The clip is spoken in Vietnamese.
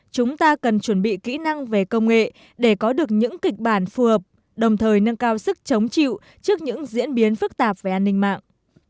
chúng ta cần chuẩn bị kỹ năng về công nghệ để có được những kịch bản phù hợp đồng thời nâng cao sức chống chịu trước những diễn biến phức tạp về an ninh mạng